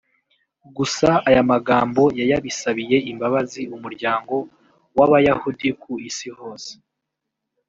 gusa aya magambo yayabisabiye imbabazi Umuryango w’Abayahudi ku Isi yose